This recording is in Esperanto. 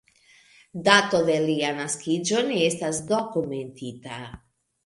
Dato de lia naskiĝo ne estas dokumentita.